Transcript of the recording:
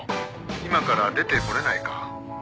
今から出て来れないか？